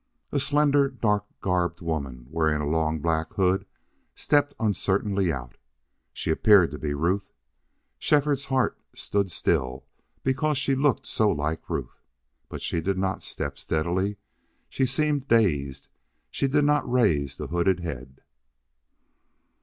A slender, dark garbed woman wearing a long black hood stepped uncertainly out. She appeared to be Ruth. Shefford's heart stood still because she looked so like Ruth. But she did not step steadily, she seemed dazed, she did not raise the hooded head.